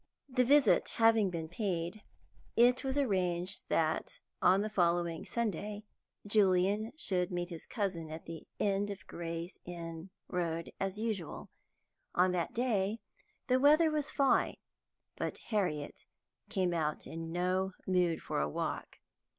The visit having been paid, it was arranged that on the following Sunday Julian should meet his cousin at the end of Gray's Inn Road as usual. On that day the weather was fine, but Harriet came out in no mood for a walk.